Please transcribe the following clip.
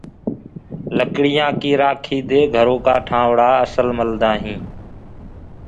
لڙيآ ڪي رآکي دي گھرو ڪآ ٺآئونٚ اسل ملدآ هينٚ۔